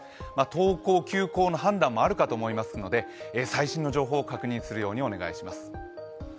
登校・休校の判断もあるかと思いますので、最新の情報を確認するようにお願いします。